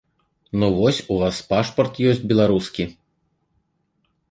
Ну вось у вас пашпарт ёсць беларускі.